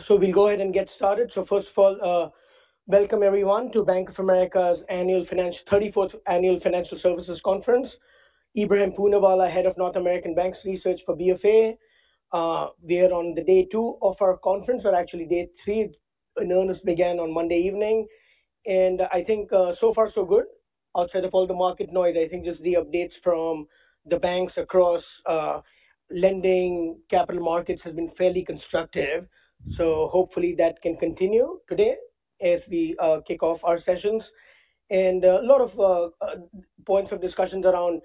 So we'll go ahead and get started. So first of all, welcome everyone to Bank of America's 34th Annual Financial Services Conference. Ebrahim Poonawala, head of North American Banks Research for BofA. We are on day two of our conference, or actually day three. And it began on Monday evening. And I think, so far so good. Outside of all the market noise, I think just the updates from the banks across lending capital markets have been fairly constructive. So hopefully that can continue today as we kick off our sessions. And a lot of points of discussion around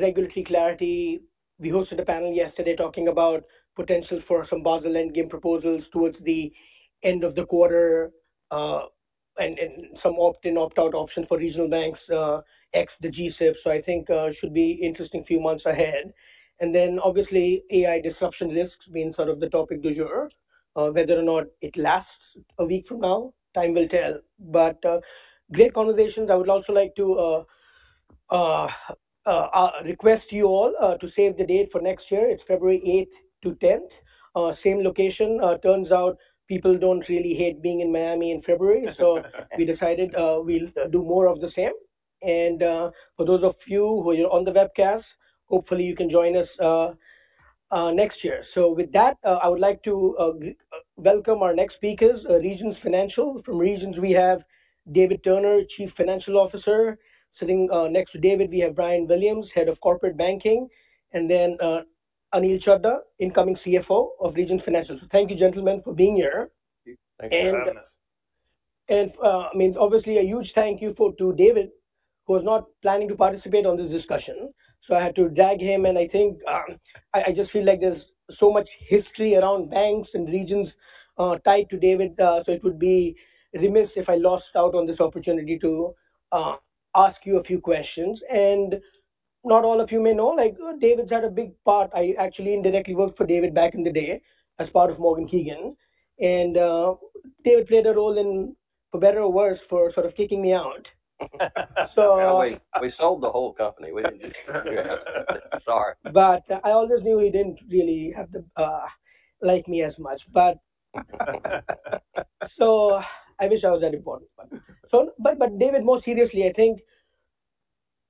regulatory clarity. We hosted a panel yesterday talking about potential for some Basel Endgame proposals towards the end of the quarter, and some opt-in, opt-out options for regional banks, ex the G-SIB. So I think should be interesting few months ahead. And then obviously AI disruption risks being sort of the topic du jour. Whether or not it lasts a week from now, time will tell. But great conversations. I would also like to request you all to save the date for next year. It's February 8th to 10th. Same location. Turns out people don't really hate being in Miami in February, so we decided we'll do more of the same. And for those of you who are on the webcast, hopefully you can join us next year. So with that, I would like to welcome our next speakers, Regions Financial. From Regions we have David Turner, Chief Financial Officer. Sitting next to David we have Brian Willman, Head of Corporate Banking. And then Anil Chadha, incoming CFO of Regions Financial. So thank you gentlemen for being here. Thank you for having us. I mean, obviously, a huge thank you to David, who was not planning to participate in this discussion. So I had to drag him, and I think I just feel like there's so much history around banks and Regions, tied to David, so it would be remiss if I lost out on this opportunity to ask you a few questions. Not all of you may know, like David's had a big part. I actually indirectly worked for David back in the day as part of Morgan Keegan. David played a role in, for better or worse, for sort of kicking me out. So. Yeah, we sold the whole company, we didn't just... Sorry. But I always knew he didn't really have the, like me as much, but... So I wish I was that important. So, but, but David, more seriously, I think...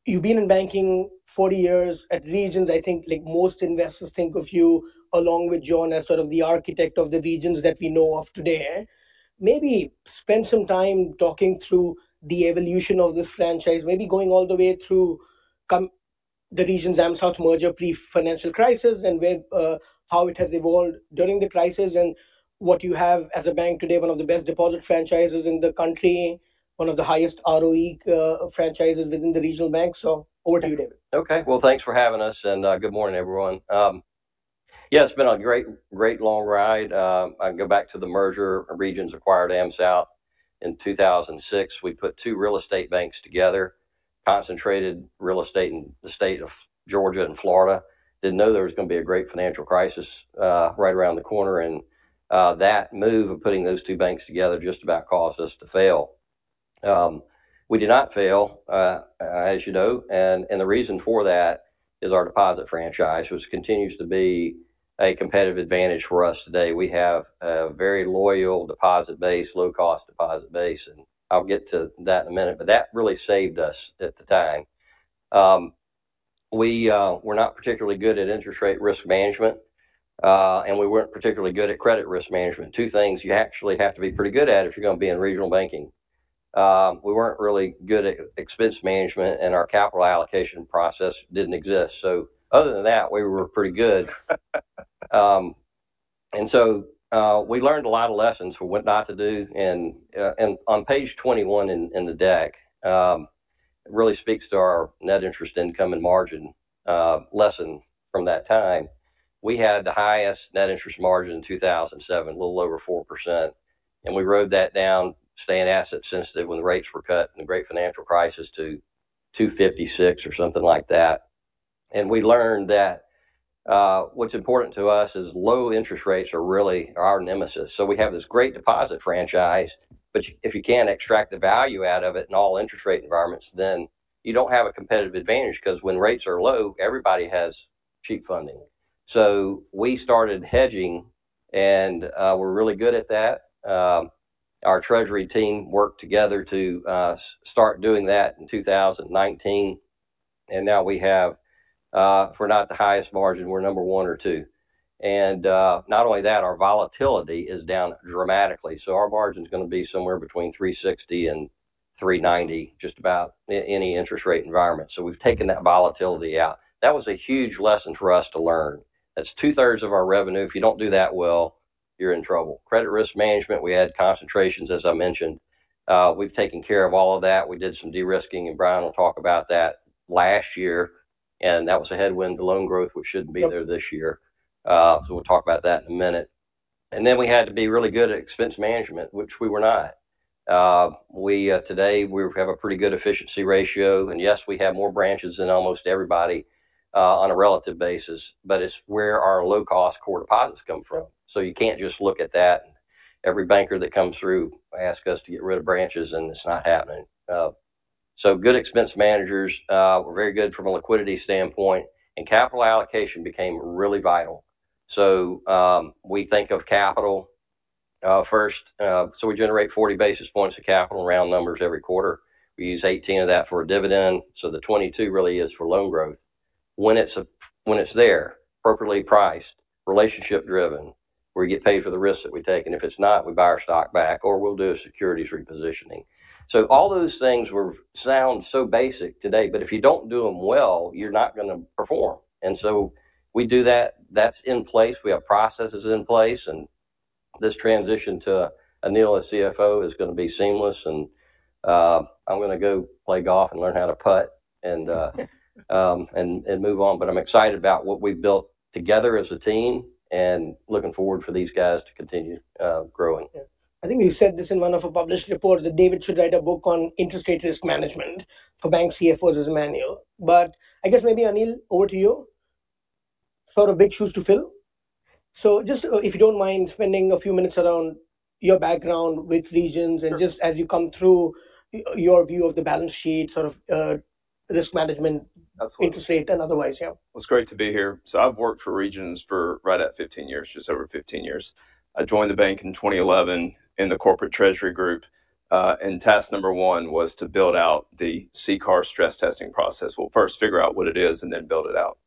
You've been in banking 40 years at Regions. I think like most investors think of you along with John as sort of the architect of the Regions that we know of today. Maybe spend some time talking through the evolution of this franchise, maybe going all the way through come... The Regions AmSouth merger pre-financial crisis and where, how it has evolved during the crisis and what you have as a bank today, one of the best deposit franchises in the country, one of the highest ROE franchises within the regional bank. So over to you, David. Okay, well, thanks for having us, and good morning everyone. Yeah, it's been a great, great long ride. I go back to the merger. Regions acquired AmSouth in 2006. We put two real estate banks together, concentrated real estate in the state of Georgia and Florida. Didn't know there was going to be a great financial crisis right around the corner, and that move of putting those two banks together just about caused us to fail. We did not fail, as you know, and the reason for that is our deposit franchise, which continues to be a competitive advantage for us today. We have a very loyal deposit base, low-cost deposit base, and I'll get to that in a minute, but that really saved us at the time. We were not particularly good at interest rate risk management, and we weren't particularly good at credit risk management. Two things you actually have to be pretty good at if you're going to be in regional banking. We weren't really good at expense management and our capital allocation process didn't exist. So other than that, we were pretty good. And so, we learned a lot of lessons, we went not to do and, and on page 21 in the deck, it really speaks to our net interest income and margin, lesson from that time. We had the highest net interest margin in 2007, a little over 4%, and we rode that down, staying asset sensitive when the rates were cut in the great financial crisis to 2.56 or something like that. And we learned that, what's important to us is low interest rates are really our nemesis. So we have this great deposit franchise, but if you can't extract the value out of it in all interest rate environments, then you don't have a competitive advantage because when rates are low, everybody has cheap funding. So we started hedging, and we're really good at that. Our treasury team worked together to start doing that in 2019. And now we have, if we're not the highest margin, we're number one or two. And not only that, our volatility is down dramatically. So our margin's going to be somewhere between 360-390, just about any interest rate environment. So we've taken that volatility out. That was a huge lesson for us to learn. That's two-thirds of our revenue. If you don't do that well, you're in trouble. Credit risk management, we add concentrations as I mentioned. We've taken care of all of that. We did some de-risking and Brian will talk about that last year. And that was a headwind to loan growth, which shouldn't be there this year. So we'll talk about that in a minute. And then we had to be really good at expense management, which we were not. We, today, we have a pretty good efficiency ratio and yes, we have more branches than almost everybody, on a relative basis, but it's where our low-cost core deposits come from. So you can't just look at that and every banker that comes through asks us to get rid of branches and it's not happening. So good expense managers were very good from a liquidity standpoint and capital allocation became really vital. So, we think of capital, first, so we generate 40 basis points of capital round numbers every quarter. We use 18 of that for a dividend, so the 22 really is for loan growth. When it's there, appropriately priced, relationship-driven, where you get paid for the risks that we take. And if it's not, we buy our stock back or we'll do a securities repositioning. So all those things sound so basic today, but if you don't do them well, you're not going to perform. And so we do that, that's in place. We have processes in place and this transition to Anil as CFO is going to be seamless, and I'm going to go play golf and learn how to putt, and move on, but I'm excited about what we've built together as a team and looking forward for these guys to continue growing. Yeah, I think you said this in one of our published reports that David should write a book on interest rate risk management for bank CFOs as a manual. But I guess maybe Anil, over to you. Sort of big shoes to fill. So just if you don't mind spending a few minutes around your background with Regions and just as you come through your view of the balance sheet, sort of, risk management, interest rate and otherwise, yeah. It's great to be here. So I've worked for Regions for right at 15 years, just over 15 years. I joined the bank in 2011 in the corporate treasury group, and task number 1 was to build out the CCAR stress testing process. We'll first figure out what it is and then build it out.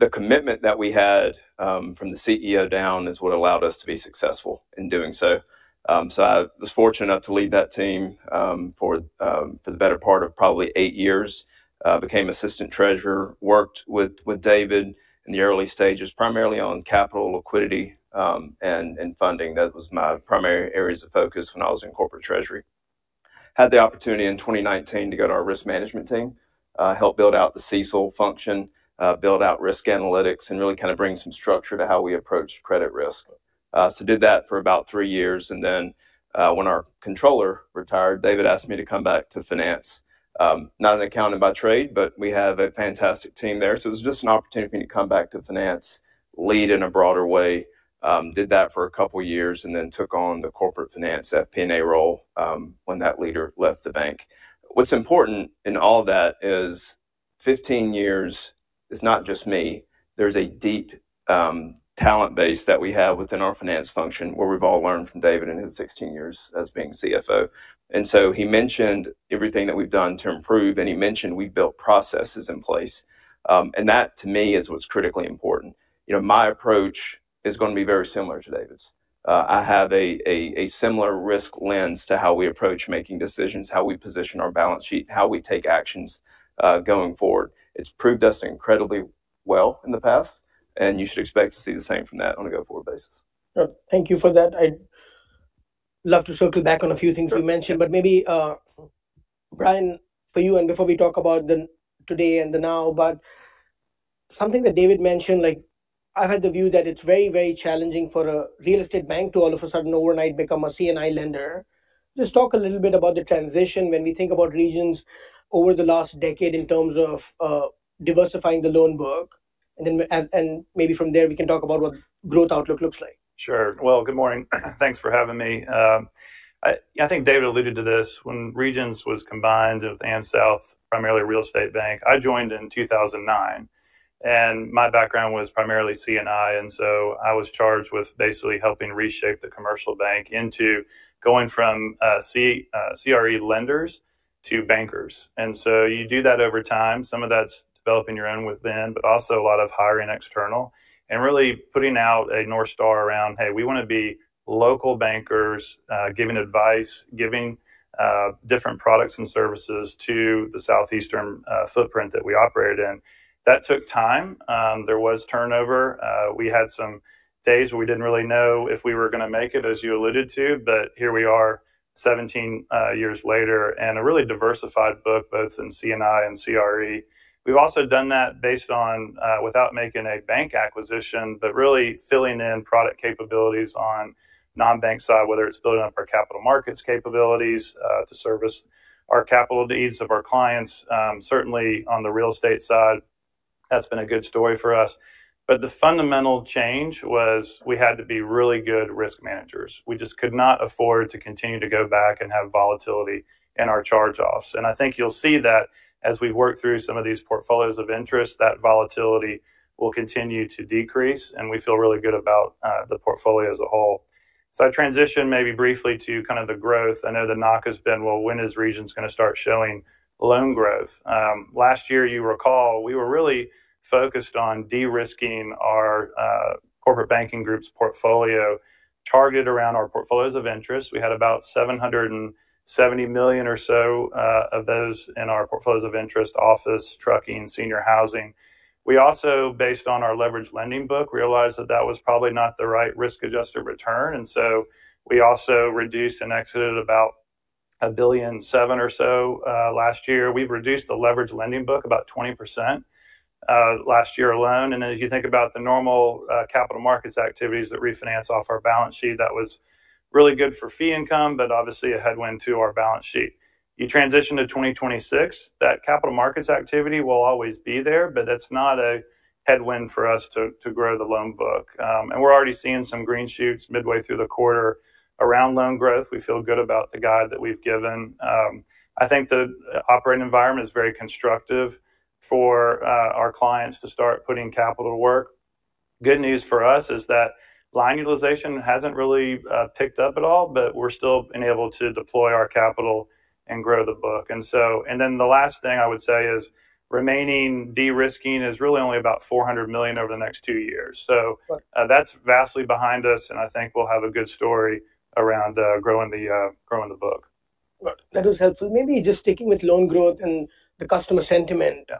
The commitment that we had, from the CEO down is what allowed us to be successful in doing so. So I was fortunate enough to lead that team, for, for the better part of probably 8 years. Became assistant treasurer, worked with, with David in the early stages, primarily on capital, liquidity, and, and funding. That was my primary areas of focus when I was in corporate treasury. Had the opportunity in 2019 to go to our risk management team, help build out the CECL function, build out risk analytics and really kind of bring some structure to how we approached credit risk. So did that for about 3 years and then, when our controller retired, David asked me to come back to finance. Not an accountant by trade, but we have a fantastic team there. So it was just an opportunity for me to come back to finance, lead in a broader way. Did that for a couple of years and then took on the corporate finance FP&A role, when that leader left the bank. What's important in all that is 15 years is not just me. There's a deep, talent base that we have within our finance function where we've all learned from David in his 16 years as being CFO. And so he mentioned everything that we've done to improve and he mentioned we've built processes in place. That to me is what's critically important. You know, my approach is going to be very similar to David's. I have a similar risk lens to how we approach making decisions, how we position our balance sheet, how we take actions, going forward. It's proved us incredibly well in the past and you should expect to see the same from that on a go forward basis. Thank you for that. I'd love to circle back on a few things you mentioned, but maybe, Brian, for you and before we talk about the today and the now, but something that David mentioned, like I've had the view that it's very, very challenging for a real estate bank to all of a sudden overnight become a C&I lender. Just talk a little bit about the transition when we think about Regions over the last decade in terms of, diversifying the loan book and then maybe from there we can talk about what growth outlook looks like. Sure. Well, good morning. Thanks for having me. I think David alluded to this when Regions was combined with AmSouth, primarily a real estate bank. I joined in 2009 and my background was primarily CNI and so I was charged with basically helping reshape the commercial bank into going from CRE lenders to bankers. And so you do that over time. Some of that's developing your own within, but also a lot of hiring external and really putting out a North Star around, hey, we want to be local bankers, giving advice, giving different products and services to the Southeastern footprint that we operated in. That took time. There was turnover. We had some days where we didn't really know if we were going to make it as you alluded to, but here we are 17 years later and a really diversified book both in CNI and CRE. We've also done that based on, without making a bank acquisition, but really filling in product capabilities on non-bank side, whether it's building up our capital markets capabilities, to service our capital needs of our clients. Certainly on the real estate side, that's been a good story for us. But the fundamental change was we had to be really good risk managers. We just could not afford to continue to go back and have volatility in our charge-offs. And I think you'll see that as we've worked through some of these portfolios of interest, that volatility will continue to decrease and we feel really good about the portfolio as a whole. So I transition maybe briefly to kind of the growth. I know the knock has been, well, when is Regions going to start showing loan growth? Last year, you recall, we were really focused on de-risking our corporate banking group's portfolio targeted around our portfolios of interest. We had about $770 million or so of those in our portfolios of interest, office, trucking, senior housing. We also, based on our leveraged lending book, realized that that was probably not the right risk-adjusted return. And so we also reduced and exited about $1.7 billion or so last year. We've reduced the leveraged lending book about 20% last year alone. And then, as you think about the normal capital markets activities that refinance off our balance sheet, that was really good for fee income, but obviously a headwind to our balance sheet. You transition to 2026, that capital markets activity will always be there, but that's not a headwind for us to grow the loan book. We're already seeing some green shoots midway through the quarter around loan growth. We feel good about the guide that we've given. I think the operating environment is very constructive for our clients to start putting capital to work. Good news for us is that line utilization hasn't really picked up at all, but we're still enabled to deploy our capital and grow the book. And so, and then the last thing I would say is remaining de-risking is really only about $400 million over the next two years. So, that's vastly behind us and I think we'll have a good story around growing the, growing the book. That was helpful. Maybe just sticking with loan growth and the customer sentiment.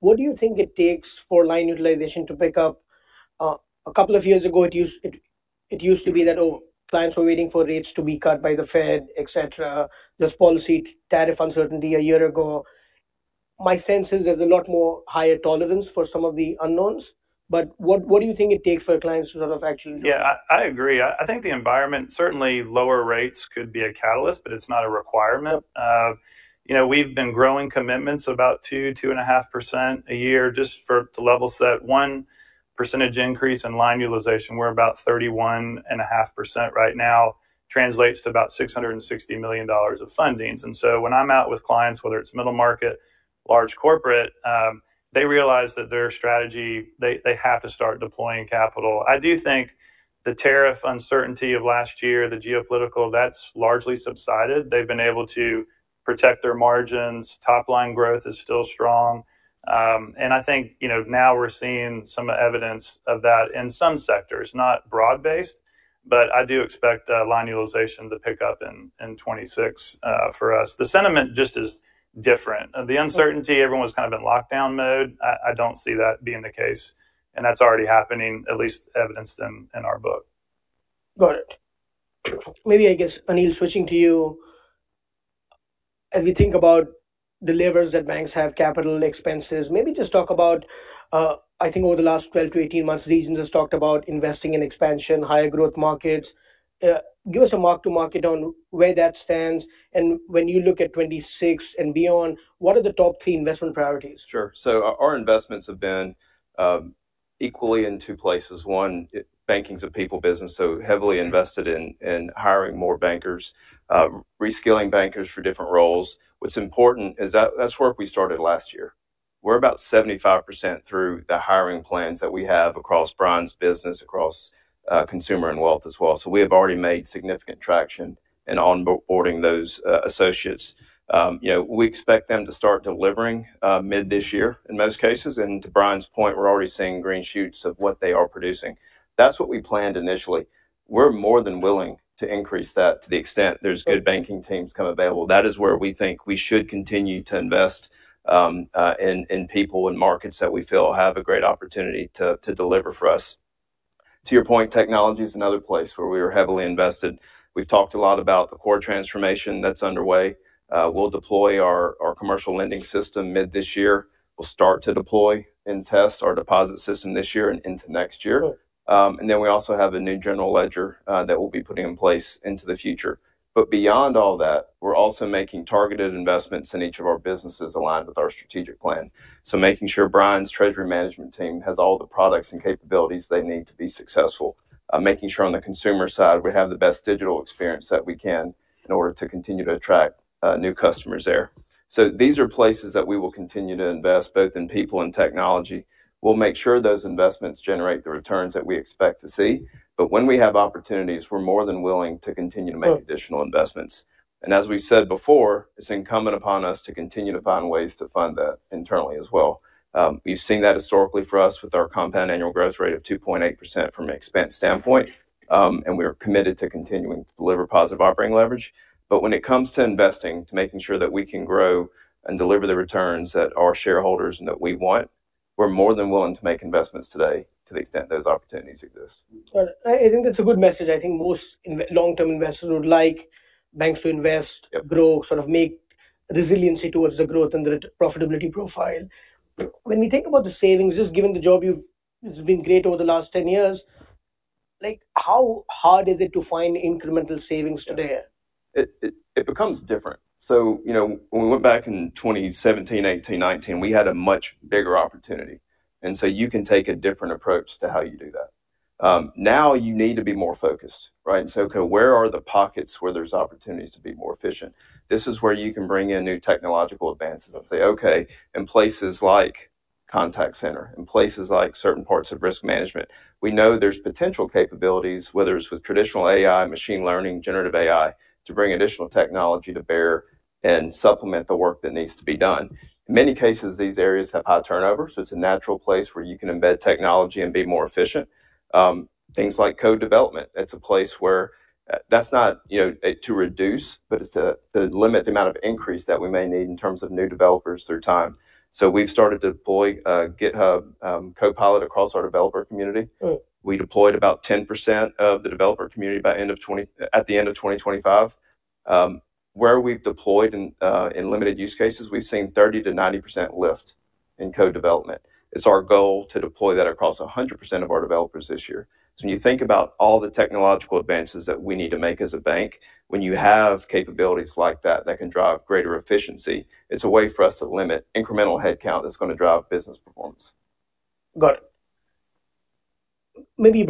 What do you think it takes for line utilization to pick up? A couple of years ago, it used to be that, oh, clients were waiting for rates to be cut by the Fed, etc. There's policy tariff uncertainty a year ago. My sense is there's a lot more higher tolerance for some of the unknowns, but what, what do you think it takes for clients to sort of actually do it? Yeah, I agree. I think the environment, certainly lower rates could be a catalyst, but it's not a requirement. You know, we've been growing commitments about 2-2.5% a year just to level set. 1% increase in line utilization, we're about 31.5% right now, translates to about $660 million of fundings. And so when I'm out with clients, whether it's middle market, large corporate, they realize that their strategy, they, they have to start deploying capital. I do think the tariff uncertainty of last year, the geopolitical, that's largely subsided. They've been able to protect their margins. Top line growth is still strong. And I think, you know, now we're seeing some evidence of that in some sectors, not broad-based, but I do expect line utilization to pick up in 2026, for us. The sentiment just is different. The uncertainty, everyone's kind of in lockdown mode. I don't see that being the case. That's already happening, at least evidenced in our book. Got it. Maybe, I guess, Anil, switching to you. As we think about drivers that banks have capital expenses, maybe just talk about, I think over the last 12-18 months, Regions has talked about investing in expansion, higher growth markets. Give us a mark-to-market on where that stands and when you look at 2026 and beyond, what are the top three investment priorities? Sure. So our investments have been equally in two places. One, banking's people business, so heavily invested in hiring more bankers, reskilling bankers for different roles. What's important is that that's where we started last year. We're about 75% through the hiring plans that we have across Brian's business, across consumer and wealth as well. So we have already made significant traction in onboarding those associates. You know, we expect them to start delivering mid this year in most cases. And to Brian's point, we're already seeing green shoots of what they are producing. That's what we planned initially. We're more than willing to increase that to the extent there's good banking teams come available. That is where we think we should continue to invest in people and markets that we feel have a great opportunity to deliver for us. To your point, technology is another place where we are heavily invested. We've talked a lot about the core transformation that's underway. We'll deploy our, our commercial lending system mid this year. We'll start to deploy and test our deposit system this year and into next year. And then we also have a new general ledger that we'll be putting in place into the future. But beyond all that, we're also making targeted investments in each of our businesses aligned with our strategic plan. So making sure Brian's treasury management team has all the products and capabilities they need to be successful. Making sure on the consumer side, we have the best digital experience that we can in order to continue to attract new customers there. So these are places that we will continue to invest both in people and technology. We'll make sure those investments generate the returns that we expect to see. But when we have opportunities, we're more than willing to continue to make additional investments. And as we've said before, it's incumbent upon us to continue to find ways to fund that internally as well. We've seen that historically for us with our compound annual growth rate of 2.8% from an expense standpoint. And we are committed to continuing to deliver positive operating leverage. But when it comes to investing, to making sure that we can grow and deliver the returns that our shareholders and that we want, we're more than willing to make investments today to the extent those opportunities exist. Got it. I think that's a good message. I think most long-term investors would like banks to invest, grow, sort of make resiliency towards the growth and the profitability profile. When we think about the savings, just given the job you've, it's been great over the last 10 years, like how hard is it to find incremental savings today? It becomes different. So, you know, when we went back in 2017, 2018, 2019, we had a much bigger opportunity. And so you can take a different approach to how you do that. Now you need to be more focused, right? And so, okay, where are the pockets where there's opportunities to be more efficient? This is where you can bring in new technological advances and say, okay, in places like contact center, in places like certain parts of risk management, we know there's potential capabilities, whether it's with traditional AI, machine learning, generative AI, to bring additional technology to bear and supplement the work that needs to be done. In many cases, these areas have high turnover, so it's a natural place where you can embed technology and be more efficient. Things like code development, it's a place where that's not, you know, to reduce, but it's to limit the amount of increase that we may need in terms of new developers through time. So we've started to deploy GitHub Copilot across our developer community. We deployed about 10% of the developer community by end of 2024, at the end of 2025. Where we've deployed in, in limited use cases, we've seen 30 to 90% lift in code development. It's our goal to deploy that across 100% of our developers this year. So when you think about all the technological advances that we need to make as a bank, when you have capabilities like that, that can drive greater efficiency, it's a way for us to limit incremental headcount that's going to drive business performance. Got it. Maybe,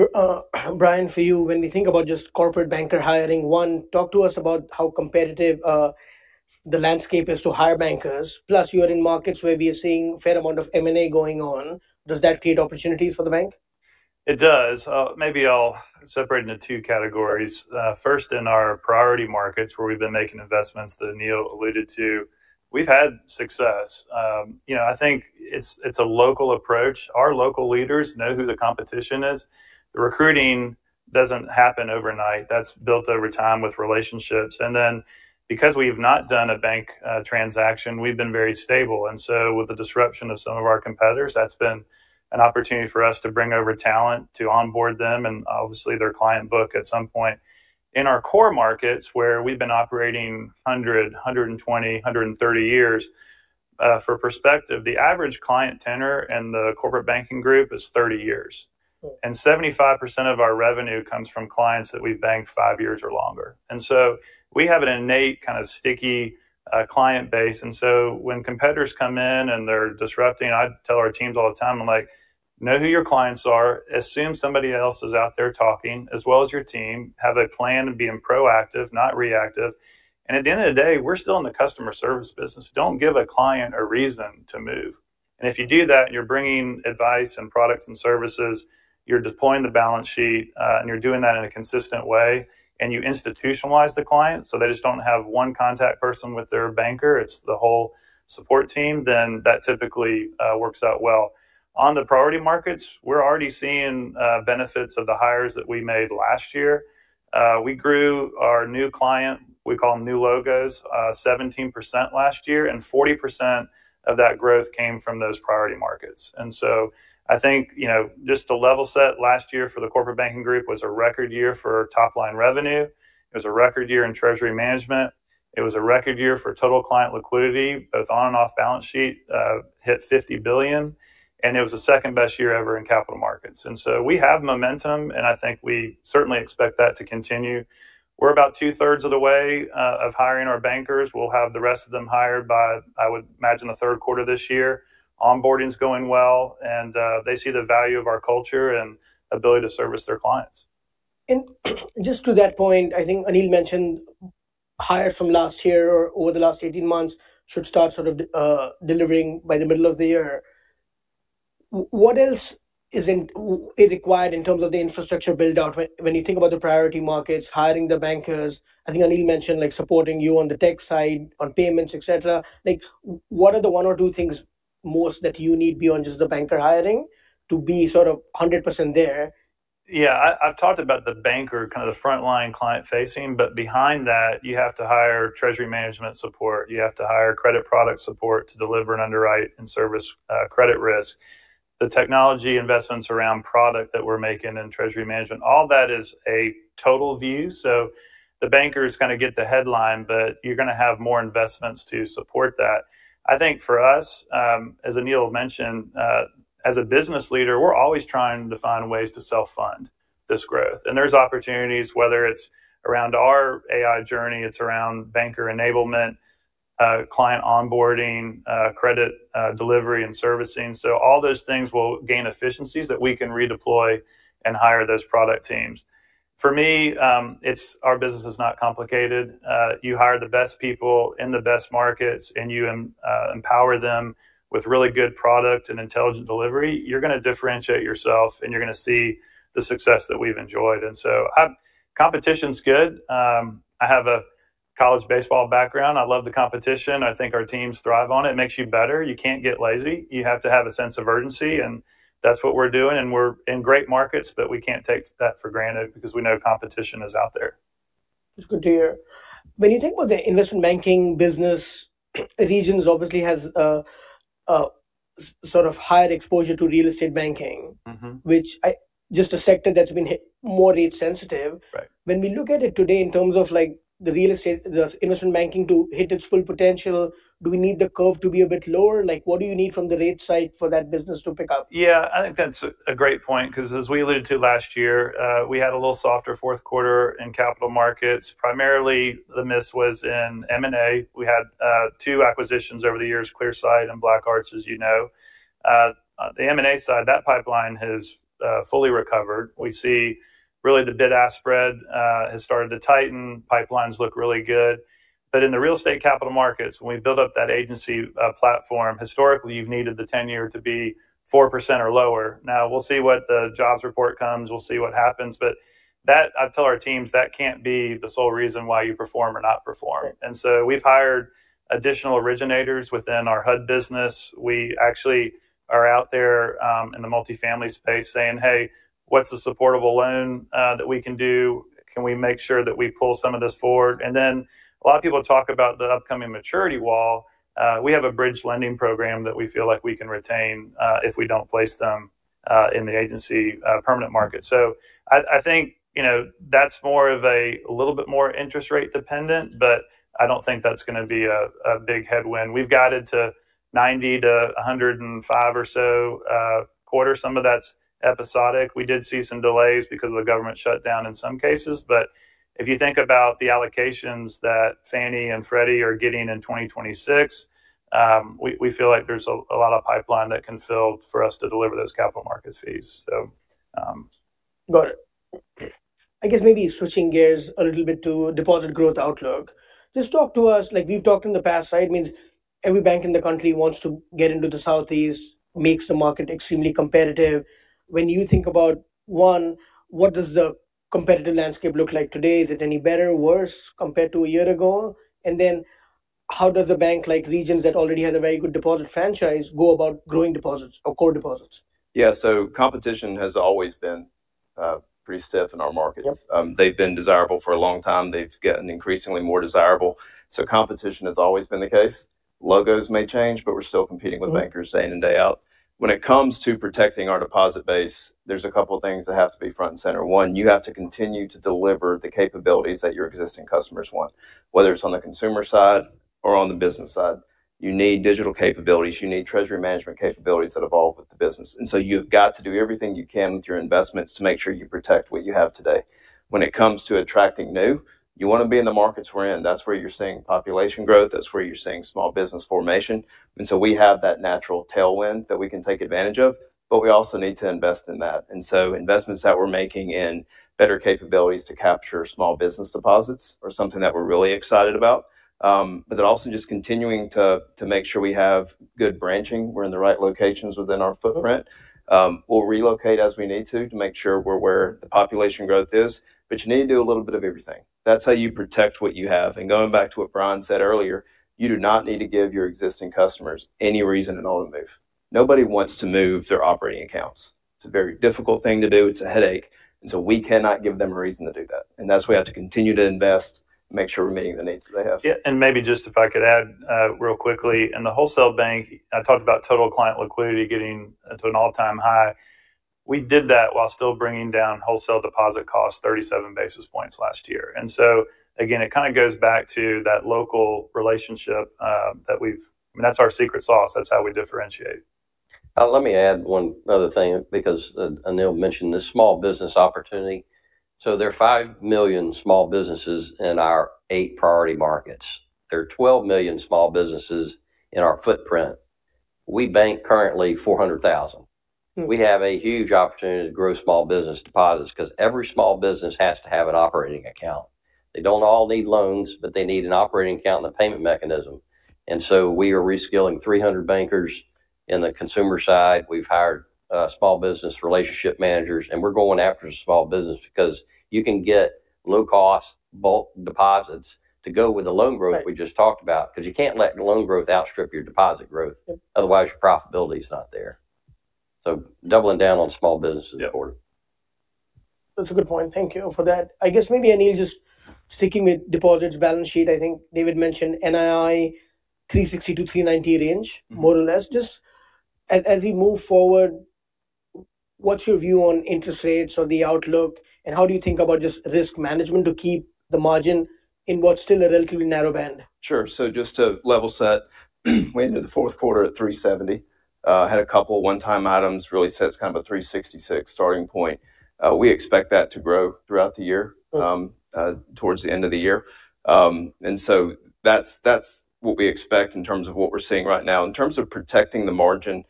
Brian, for you, when we think about just corporate banker hiring, one, talk to us about how competitive the landscape is to hire bankers. Plus, you are in markets where we are seeing a fair amount of M&A going on. Does that create opportunities for the bank? It does. Maybe I'll separate into two categories. First, in our priority markets where we've been making investments that Anil alluded to, we've had success. You know, I think it's, it's a local approach. Our local leaders know who the competition is. The recruiting doesn't happen overnight. That's built over time with relationships. And then because we've not done a bank transaction, we've been very stable. And so with the disruption of some of our competitors, that's been an opportunity for us to bring over talent to onboard them and obviously their client book at some point. In our core markets where we've been operating 100, 120, 130 years, for perspective, the average client tenor in the corporate banking group is 30 years. And 75% of our revenue comes from clients that we've banked five years or longer. And so we have an innate kind of sticky client base. So when competitors come in and they're disrupting, I tell our teams all the time, I'm like, know who your clients are, assume somebody else is out there talking, as well as your team, have a plan and be proactive, not reactive. At the end of the day, we're still in the customer service business. Don't give a client a reason to move. If you do that and you're bringing advice and products and services, you're deploying the balance sheet, and you're doing that in a consistent way, and you institutionalize the client so they just don't have one contact person with their banker, it's the whole support team, then that typically works out well. On the priority markets, we're already seeing benefits of the hires that we made last year. We grew our new client, we call them new logos, 17% last year and 40% of that growth came from those priority markets. And so I think, you know, just to level set, last year for the corporate banking group was a record year for top line revenue. It was a record year in treasury management. It was a record year for total client liquidity, both on and off balance sheet, hit $50 billion. And it was the second best year ever in capital markets. And so we have momentum and I think we certainly expect that to continue. We're about two-thirds of the way, of hiring our bankers. We'll have the rest of them hired by, I would imagine, the third quarter this year. Onboarding's going well and, they see the value of our culture and ability to service their clients. Just to that point, I think Anil mentioned hires from last year or over the last 18 months should start sort of delivering by the middle of the year. What else is required in terms of the infrastructure buildout when you think about the priority markets, hiring the bankers? I think Anil mentioned like supporting you on the tech side, on payments, etc. Like what are the one or two things most that you need beyond just the banker hiring to be sort of 100% there? Yeah, I've talked about the banker kind of the frontline client facing, but behind that, you have to hire treasury management support. You have to hire credit product support to deliver and underwrite and service credit risk. The technology investments around product that we're making in treasury management, all that is a total view. So the bankers kind of get the headline, but you're going to have more investments to support that. I think for us, as Anil mentioned, as a business leader, we're always trying to find ways to self-fund this growth. And there's opportunities, whether it's around our AI journey, it's around banker enablement, client onboarding, credit, delivery and servicing. So all those things will gain efficiencies that we can redeploy and hire those product teams. For me, it's our business is not complicated. You hire the best people in the best markets and you empower them with really good product and intelligent delivery. You're going to differentiate yourself and you're going to see the success that we've enjoyed. And so competition's good. I have a college baseball background. I love the competition. I think our teams thrive on it. It makes you better. You can't get lazy. You have to have a sense of urgency and that's what we're doing. And we're in great markets, but we can't take that for granted because we know competition is out there. That's good to hear. When you think about the investment banking business, Regions obviously has, sort of higher exposure to real estate banking, which is just a sector that's been more rate sensitive. When we look at it today in terms of like the real estate, the investment banking to hit its full potential, do we need the curve to be a bit lower? Like what do you need from the rate side for that business to pick up? Yeah, I think that's a great point because as we alluded to last year, we had a little softer fourth quarter in capital markets. Primarily, the miss was in M&A. We had two acquisitions over the years, Clearsight and BlackArch, as you know. The M&A side, that pipeline has fully recovered. We see really the bid-ask spread has started to tighten. Pipelines look really good. But in the real estate capital markets, when we build up that agency platform, historically, you've needed the 10-year to be 4% or lower. Now, we'll see what the jobs report comes. We'll see what happens. But that, I tell our teams, that can't be the sole reason why you perform or not perform. And so we've hired additional originators within our HUD business. We actually are out there in the multifamily space saying, "Hey, what's the supportable loan that we can do? Can we make sure that we pull some of this forward?" And then a lot of people talk about the upcoming maturity wall. We have a bridge lending program that we feel like we can retain, if we don't place them, in the agency, permanent market. So I, I think, you know, that's more of a little bit more interest rate dependent, but I don't think that's going to be a big headwind. We've got it to 90-105 or so, quarter. Some of that's episodic. We did see some delays because of the government shutdown in some cases, but if you think about the allocations that Fannie and Freddie are getting in 2026, we, we feel like there's a lot of pipeline that can fill for us to deliver those capital market fees. So, Got it. I guess maybe switching gears a little bit to deposit growth outlook. Just talk to us, like we've talked in the past, right? It means every bank in the country wants to get into the Southeast, makes the market extremely competitive. When you think about one, what does the competitive landscape look like today? Is it any better, worse compared to a year ago? And then how does a bank like Regions that already has a very good deposit franchise go about growing deposits or core deposits? Yeah, so competition has always been pretty stiff in our markets. They've been desirable for a long time. They've gotten increasingly more desirable. So competition has always been the case. Logos may change, but we're still competing with bankers day in and day out. When it comes to protecting our deposit base, there's a couple of things that have to be front and center. One, you have to continue to deliver the capabilities that your existing customers want, whether it's on the consumer side or on the business side. You need digital capabilities. You need treasury management capabilities that evolve with the business. And so you've got to do everything you can with your investments to make sure you protect what you have today. When it comes to attracting new, you want to be in the markets we're in. That's where you're seeing population growth. That's where you're seeing small business formation. And so we have that natural tailwind that we can take advantage of, but we also need to invest in that. And so investments that we're making in better capabilities to capture small business deposits are something that we're really excited about. But then also just continuing to make sure we have good branching. We're in the right locations within our footprint. We'll relocate as we need to to make sure we're where the population growth is, but you need to do a little bit of everything. That's how you protect what you have. And going back to what Brian said earlier, you do not need to give your existing customers any reason at all to move. Nobody wants to move their operating accounts. It's a very difficult thing to do. It's a headache. And so we cannot give them a reason to do that. And that's why we have to continue to invest, make sure we're meeting the needs that they have. Yeah. And maybe just if I could add, real quickly, in the wholesale bank, I talked about total client liquidity getting to an all-time high. We did that while still bringing down wholesale deposit costs 37 basis points last year. And so again, it kind of goes back to that local relationship, that we've, I mean, that's our secret sauce. That's how we differentiate. Let me add one other thing because Anil mentioned this small business opportunity. So there are 5 million small businesses in our eight priority markets. There are 12 million small businesses in our footprint. We bank currently 400,000. We have a huge opportunity to grow small business deposits because every small business has to have an operating account. They don't all need loans, but they need an operating account and a payment mechanism. And so we are reskilling 300 bankers in the consumer side. We've hired small business relationship managers and we're going after the small business because you can get low-cost bulk deposits to go with the loan growth we just talked about because you can't let loan growth outstrip your deposit growth. Otherwise, your profitability is not there. So doubling down on small business is important. That's a good point. Thank you for that. I guess maybe Anil, just sticking with deposits balance sheet, I think David mentioned NII $360-$390 range, more or less. Just as we move forward, what's your view on interest rates or the outlook and how do you think about just risk management to keep the margin in what's still a relatively narrow band? Sure. So just to level set, we entered the fourth quarter at 370, had a couple of one-time items, really sets kind of a 366 starting point. We expect that to grow throughout the year, towards the end of the year, and so that's, that's what we expect in terms of what we're seeing right now. In terms of protecting the margin,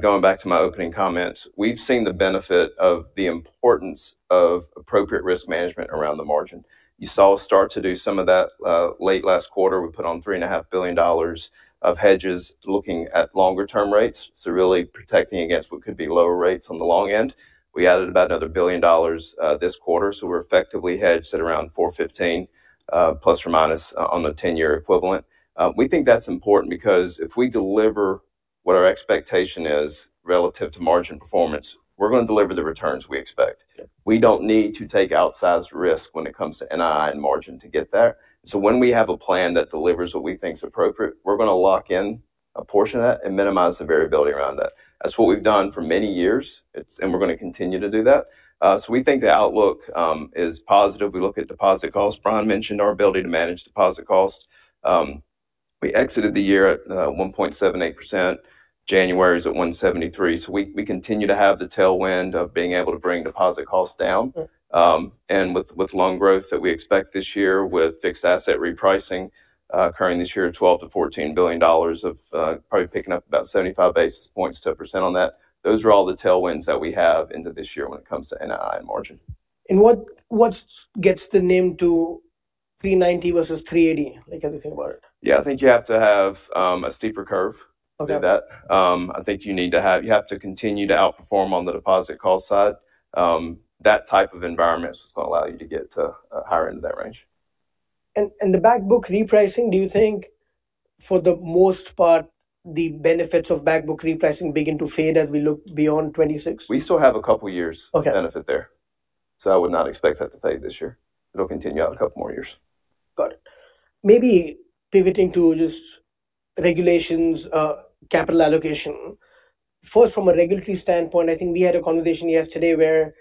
going back to my opening comments, we've seen the benefit of the importance of appropriate risk management around the margin. You saw us start to do some of that, late last quarter. We put on $3.5 billion of hedges looking at longer-term rates. So really protecting against what could be lower rates on the long end. We added about another $1 billion, this quarter. So we're effectively hedged at around 415 ± on the 10-year equivalent. We think that's important because if we deliver what our expectation is relative to margin performance, we're going to deliver the returns we expect. We don't need to take outsized risk when it comes to NII and margin to get that. And so when we have a plan that delivers what we think's appropriate, we're going to lock in a portion of that and minimize the variability around that. That's what we've done for many years. It's, and we're going to continue to do that. So we think the outlook is positive. We look at deposit costs. Brian mentioned our ability to manage deposit costs. We exited the year at 1.78%. January is at 1.73%. So we continue to have the tailwind of being able to bring deposit costs down. With loan growth that we expect this year with fixed asset repricing, occurring this year at 12 to $14 billion of, probably picking up about 75 basis points to a percent on that. Those are all the tailwinds that we have into this year when it comes to NII and margin. What, what gets the name to 390 versus 380? Like how do you think about it? Yeah, I think you have to have a steeper curve to do that. I think you need to have, you have to continue to outperform on the deposit cost side. That type of environment is what's going to allow you to get to a higher end of that range. The backbook repricing, do you think for the most part, the benefits of backbook repricing begin to fade as we look beyond 2026? We still have a couple of years' benefit there. So I would not expect that to fade this year. It'll continue out a couple more years. Got it. Maybe pivoting to just regulations, capital allocation. First, from a regulatory standpoint, I think we had a conversation yesterday where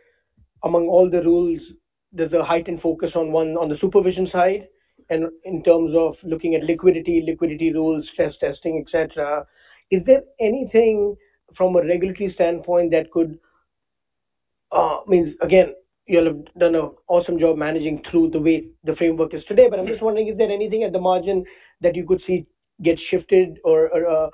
among all the rules, there's a heightened focus on one, on the supervision side and in terms of looking at liquidity, liquidity rules, stress testing, etc. Is there anything from a regulatory standpoint that could, I mean, again, you all have done an awesome job managing through the way the framework is today, but I'm just wondering if there's anything at the margin that you could see get shifted or,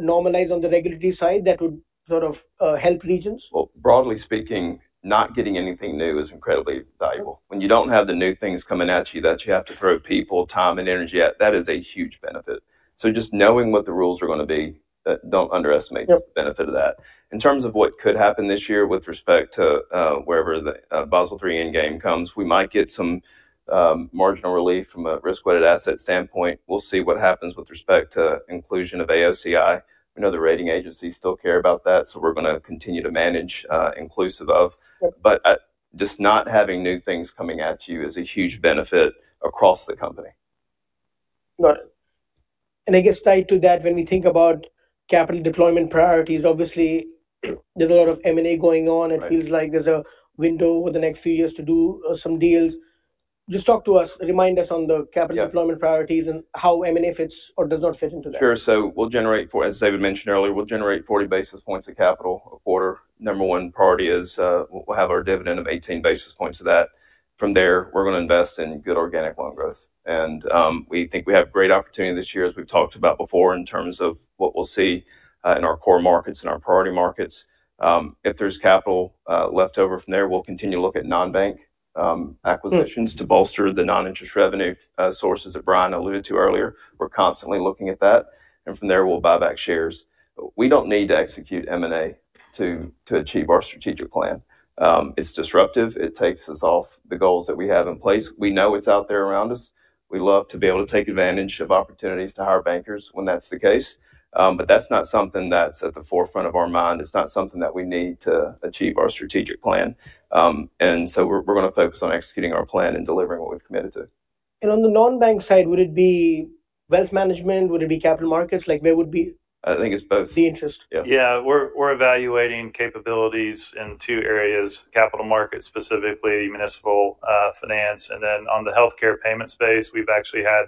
normalized on the regulatory side that would sort of, help Regions? Well, broadly speaking, not getting anything new is incredibly valuable. When you don't have the new things coming at you that you have to throw people, time, and energy at, that is a huge benefit. So just knowing what the rules are going to be, don't underestimate just the benefit of that. In terms of what could happen this year with respect to, wherever the Basel III Endgame comes, we might get some, marginal relief from a risk-weighted asset standpoint. We'll see what happens with respect to inclusion of AOCI. We know the rating agencies still care about that. So we're going to continue to manage, inclusive of. But just not having new things coming at you is a huge benefit across the company. Got it. And I guess tied to that, when we think about capital deployment priorities, obviously there's a lot of M&A going on. It feels like there's a window over the next few years to do some deals. Just talk to us, remind us on the capital deployment priorities and how M&A fits or does not fit into that. Sure. So we'll generate for, as David mentioned earlier, we'll generate 40 basis points of capital a quarter. Number one priority is, we'll have our dividend of 18 basis points of that. From there, we're going to invest in good organic loan growth. And we think we have great opportunity this year as we've talked about before in terms of what we'll see, in our core markets, in our priority markets. If there's capital leftover from there, we'll continue to look at non-bank acquisitions to bolster the non-interest revenue sources that Brian alluded to earlier. We're constantly looking at that. And from there, we'll buy back shares. We don't need to execute M&A to achieve our strategic plan. It's disruptive. It takes us off the goals that we have in place. We know it's out there around us. We love to be able to take advantage of opportunities to hire bankers when that's the case. But that's not something that's at the forefront of our mind. It's not something that we need to achieve our strategic plan. And so we're going to focus on executing our plan and delivering what we've committed to. On the non-bank side, would it be wealth management? Would it be capital markets? Like where would be. I think it's both. The interest. Yeah. Yeah. We're, we're evaluating capabilities in two areas, capital markets specifically, municipal finance. And then on the healthcare payment space, we've actually had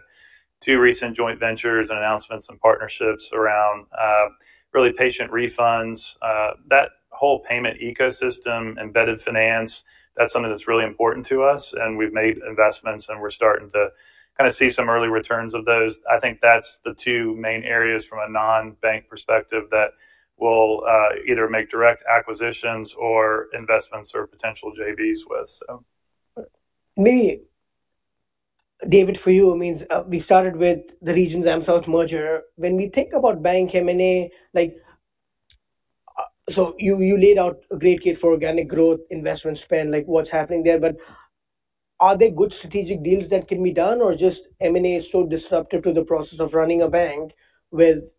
two recent joint ventures and announcements and partnerships around, really patient refunds. That whole payment ecosystem, embedded finance, that's something that's really important to us. And we've made investments and we're starting to kind of see some early returns of those. I think that's the two main areas from a non-bank perspective that we'll either make direct acquisitions or investments or potential JVs with. Maybe, David, for you, it means, we started with the Regions AmSouth merger. When we think about bank M&A, like, so you, you laid out a great case for organic growth, investment spend, like what's happening there, but are there good strategic deals that can be done or just M&A is so disruptive to the process of running a bank with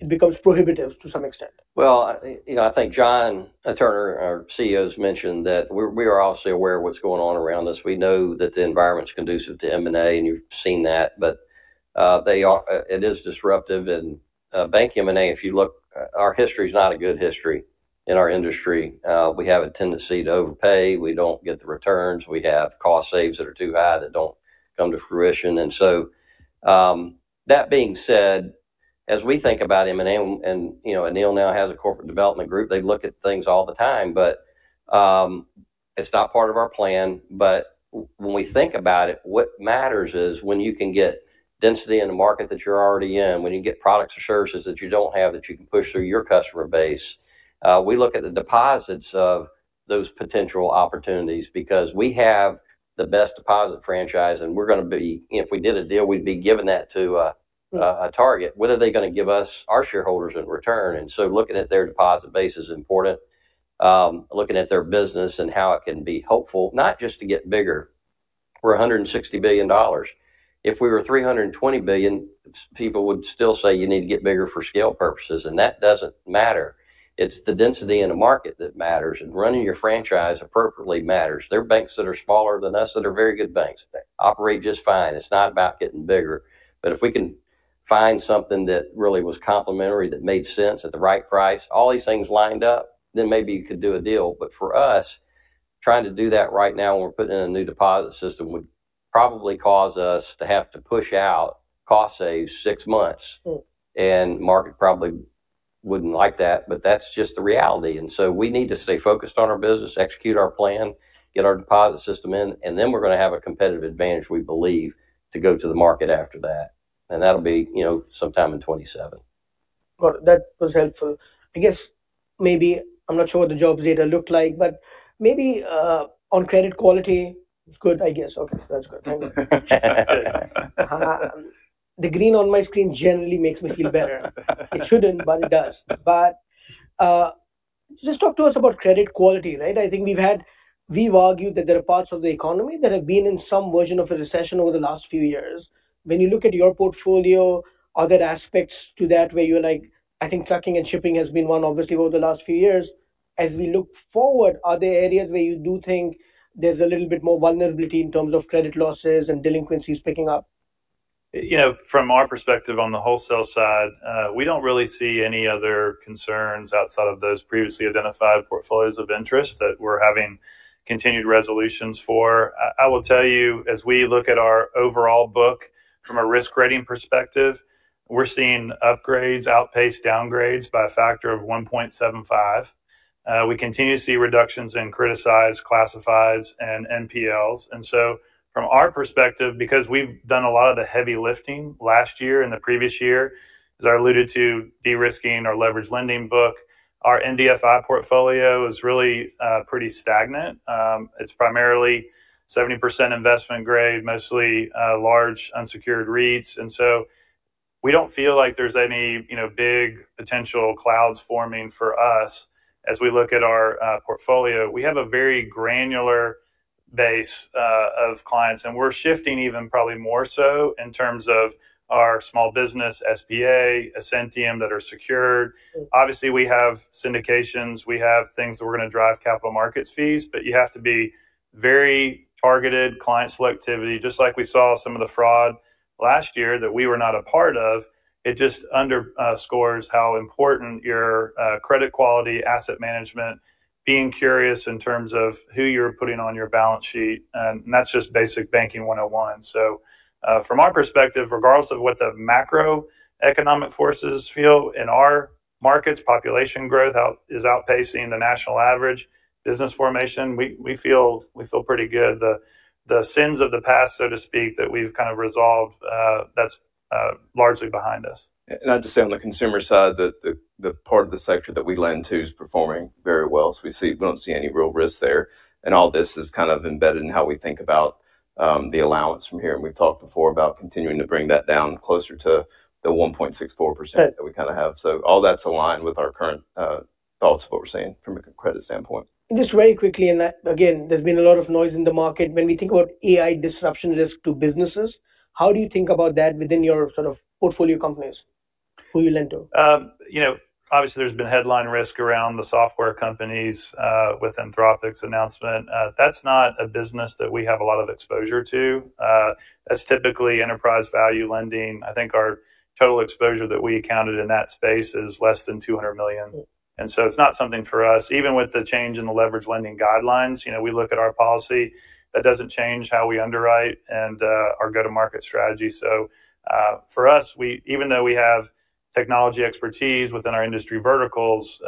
it becomes prohibitive to some extent? Well, you know, I think John Turner, our CEO, has mentioned that we are obviously aware of what's going on around this. We know that the environment's conducive to M&A and you've seen that, but, they, it is disruptive and, bank M&A, if you look, our history's not a good history in our industry. We have a tendency to overpay. We don't get the returns. We have cost saves that are too high that don't come to fruition. And so, that being said, as we think about M&A and, you know, Anil now has a corporate development group. They look at things all the time, but, it's not part of our plan. But when we think about it, what matters is when you can get density in the market that you're already in, when you get products or services that you don't have that you can push through your customer base. We look at the deposits of those potential opportunities because we have the best deposit franchise and we're going to be, you know, if we did a deal, we'd be giving that to a target. What are they going to give us, our shareholders, in return? And so looking at their deposit base is important. Looking at their business and how it can be helpful, not just to get bigger. We're $160 billion. If we were $320 billion, people would still say you need to get bigger for scale purposes. And that doesn't matter. It's the density in the market that matters and running your franchise appropriately matters. There are banks that are smaller than us that are very good banks. They operate just fine. It's not about getting bigger. But if we can find something that really was complementary, that made sense at the right price, all these things lined up, then maybe you could do a deal. But for us, trying to do that right now when we're putting in a new deposit system would probably cause us to have to push out cost saves six months. And the market probably wouldn't like that, but that's just the reality. And so we need to stay focused on our business, execute our plan, get our deposit system in, and then we're going to have a competitive advantage, we believe, to go to the market after that. And that'll be, you know, sometime in 2027. Well, that was helpful. I guess maybe, I'm not sure what the jobs data looked like, but maybe, on credit quality, it's good, I guess. Okay. That's good. Thank you. The green on my screen generally makes me feel better. It shouldn't, but it does. But, just talk to us about credit quality, right? I think we've had, we've argued that there are parts of the economy that have been in some version of a recession over the last few years. When you look at your portfolio, are there aspects to that where you're like, I think trucking and shipping has been one, obviously, over the last few years. As we look forward, are there areas where you do think there's a little bit more vulnerability in terms of credit losses and delinquencies picking up? You know, from our perspective on the wholesale side, we don't really see any other concerns outside of those previously identified portfolios of interest that we're having continued resolutions for. I will tell you, as we look at our overall book from a risk rating perspective, we're seeing upgrades outpace downgrades by a factor of 1.75. We continue to see reductions in criticized, classifieds, and NPLs. And so from our perspective, because we've done a lot of the heavy lifting last year and the previous year, as I alluded to, derisking our leveraged lending book, our NBFI portfolio is really, pretty stagnant. It's primarily 70% investment grade, mostly, large unsecured REITs. And so we don't feel like there's any, you know, big potential clouds forming for us as we look at our, portfolio. We have a very granular base, of clients. We're shifting even probably more so in terms of our small business SBA, Ascentium that are secured. Obviously, we have syndications. We have things that we're going to drive capital markets fees, but you have to be very targeted client selectivity, just like we saw some of the fraud last year that we were not a part of. It just underscores how important your credit quality, asset management, being curious in terms of who you're putting on your balance sheet, and that's just basic banking 101. So, from our perspective, regardless of what the macroeconomic forces feel in our markets, population growth is outpacing the national average business formation. We feel pretty good. The sins of the past, so to speak, that we've kind of resolved, that's largely behind us. I'd just say on the consumer side that the part of the sector that we lend to is performing very well. So we see, we don't see any real risk there. And all this is kind of embedded in how we think about the allowance from here. And we've talked before about continuing to bring that down closer to the 1.64% that we kind of have. So all that's aligned with our current thoughts of what we're seeing from a credit standpoint. Just very quickly, and again, there's been a lot of noise in the market. When we think about AI disruption risk to businesses, how do you think about that within your sort of portfolio companies, who you lend to? You know, obviously there's been headline risk around the software companies, with Anthropic's announcement. That's not a business that we have a lot of exposure to. That's typically enterprise value lending. I think our total exposure that we accounted in that space is less than $200 million. And so it's not something for us. Even with the change in the leveraged lending guidelines, you know, we look at our policy. That doesn't change how we underwrite and, our go-to-market strategy. So, for us, we, even though we have technology expertise within our industry verticals,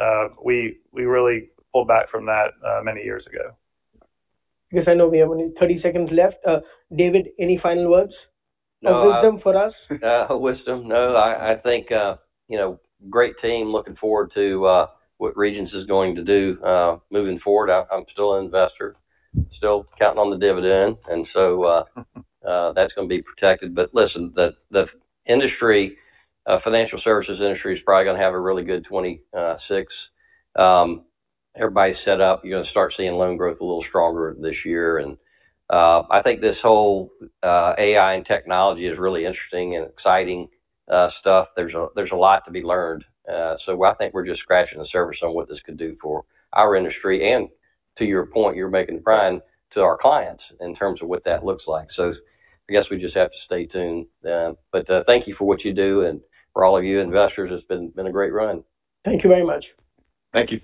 we, we really pulled back from that, many years ago. I guess I know we have only 30 seconds left. David, any final words of wisdom for us? Wisdom, no. I think, you know, great team looking forward to what Regions is going to do moving forward. I'm still an investor, still counting on the dividend. And so, that's going to be protected. But listen, the industry, financial services industry is probably going to have a really good 2026. Everybody's set up. You're going to start seeing loan growth a little stronger this year. And I think this whole AI and technology is really interesting and exciting stuff. There's a lot to be learned. So I think we're just scratching the surface on what this could do for our industry and to your point, you're providing to our clients in terms of what that looks like. So I guess we just have to stay tuned. But thank you for what you do and for all of you investors. It's been a great run. Thank you very much. Thank you.